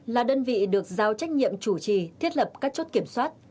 là đơn vị được giao trách nhiệm chủ trì thiết lập các chốt kiểm soát